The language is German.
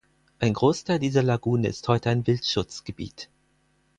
Ein Großteil dieser Lagune ist heute ein Wildschutzgebiet.